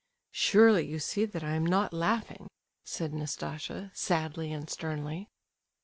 "Surely you see that I am not laughing," said Nastasia, sadly and sternly.